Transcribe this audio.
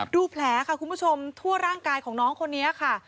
แผลค่ะคุณผู้ชมทั่วร่างกายของน้องคนนี้ค่ะ